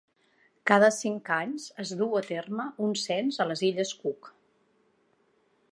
Cada cinc anys es du a terme un cens a les Illes Cook.